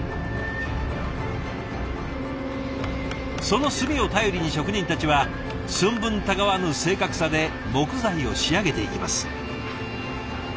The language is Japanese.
その墨を頼りに職人たちは寸分たがわぬ正確さで木材を仕上げていきます。